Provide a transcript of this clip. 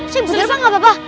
sini berjalan bang gak apa apa